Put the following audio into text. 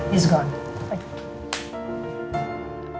dia sudah pergi